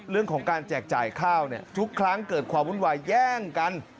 เรื่องของการแจกจ่ายข้าวทุกครั้งเกิดความวุ่นวายแย่งกัน